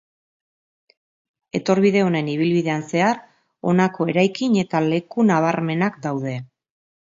Etorbide honen ibilbidean zehar honako eraikin eta leku nabarmenak daude.